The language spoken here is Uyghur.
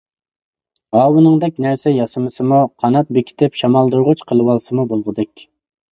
ئاۋۇنىڭدەك نەرسە ياسىمىسىمۇ، قانات بېكىتىپ شامالدۇرغۇچ قىلىۋالسىمۇ بولغۇدەك.